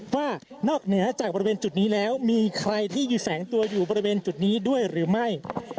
ว่านอกเหนือจากบริเวณจุดนี้แล้วมีใครที่อยู่แฝงตัวอยู่บริเวณจุดนี้ด้วยหรือไม่